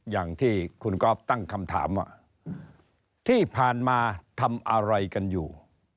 อย่างที่คุณก๊อฟตั้งคำถามว่าที่ผ่านมาทำอะไรกันอยู่